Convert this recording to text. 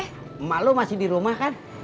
emak lu masih di rumah kan